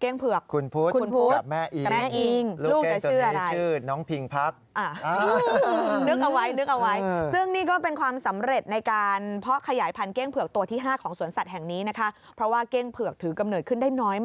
เก้งเผือกคุณพุธกับแม่อิงลูกเก้ยจนดนี้ชื่อหนิ้งพิงพักรู้ชื่ออะไร